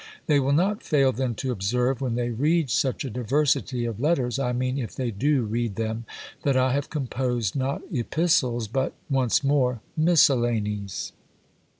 They will not fail then to observe, when they read such a diversity of letters (I mean if they do read them), that I have composed not epistles, but (once more) miscellanies.